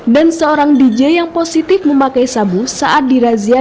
dan seorang dj yang positif memakai sabu saat dirazia